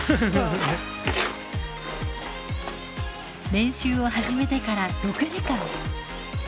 練習を始めてから６時間。